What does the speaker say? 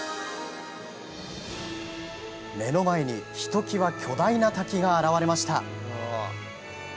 目の前にひときわ巨大な滝が現れました。